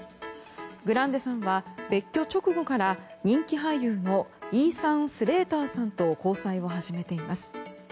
グランデさんは別居直後から人気俳優のイーサン・スレーターさんと交際を始めています。